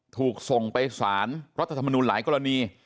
ถูกส่งไปสารรัฐธรรมนุนหลายกรณี